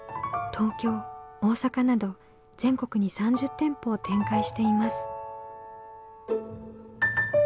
東京大阪など全国に３０店舗を展開しています。